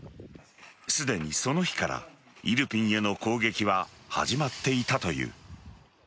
すでにその日からイルピンへの攻撃は始まっていたという。